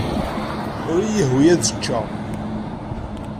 Ur iyi-yehwi ad ččeɣ.